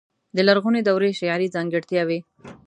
د لرغونې دورې شعري ځانګړتياوې.